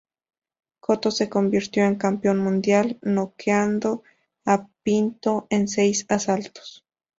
Cotto se convirtió en campeón mundial noqueando a Pinto en seis asaltos.